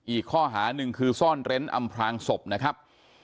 อีกข้อหาหนึ่งคือซ่อนเร้นอำพลางศพนะครับ